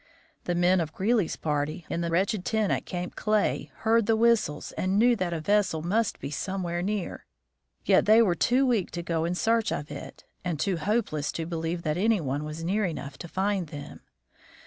The men of Greely's party in the wretched tent at Camp Clay heard the whistles and knew that a vessel must be somewhere near, yet they were too weak to go in search of it, and too hopeless to believe that any one was near enough to find them.